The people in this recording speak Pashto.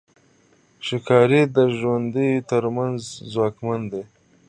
ښکاري د ژويو تر منځ ځواکمن دی.